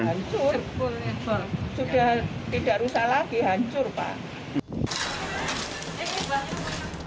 hancur sudah tidak rusak lagi hancur pak